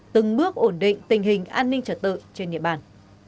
từng bước ổn định tình hình an ninh trật tự trên địa bàn